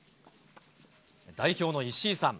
代表の石井さん。